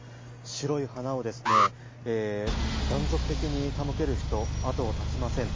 白い花を断続的に手向ける人、後を絶ちません。